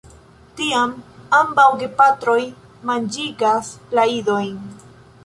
Tiam ambaŭ gepatroj manĝigas la idojn.